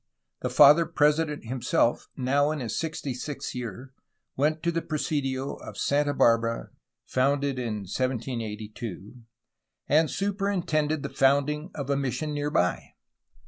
The Father President himself, now in his sixty sixth year, went to the presidio of Santa Barbara/ and superin tended the founding of a mission near by.